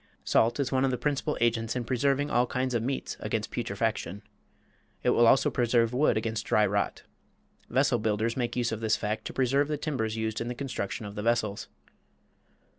Salt is one of the principal agents in preserving all kinds of meats against putrefaction. It will also preserve wood against dry rot. Vessel builders make use of this fact to preserve the timbers used in the construction of the vessels.